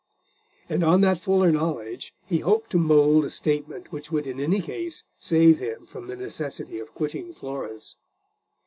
And on that fuller knowledge he hoped to mould a statement which would in any case save him from the necessity of quitting Florence.